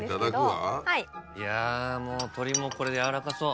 いやもう鶏もこれ軟らかそう。